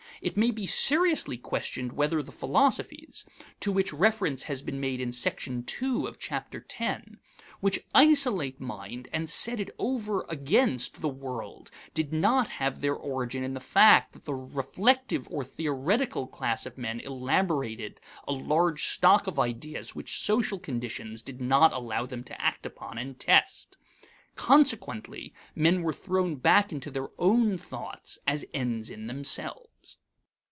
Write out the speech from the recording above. It may be seriously questioned whether the philosophies (to which reference has been made in section 2 of chapter X) which isolate mind and set it over against the world did not have their origin in the fact that the reflective or theoretical class of men elaborated a large stock of ideas which social conditions did not allow them to act upon and test. Consequently men were thrown back into their own thoughts as ends in themselves.